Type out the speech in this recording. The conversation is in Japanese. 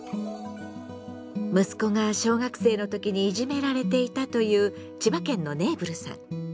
息子が小学生の時にいじめられていたという千葉県のネーブルさん。